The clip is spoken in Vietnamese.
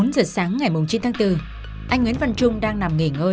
bốn giờ sáng ngày chín tháng bốn anh nguyễn văn trung đang nằm nghỉ ngơi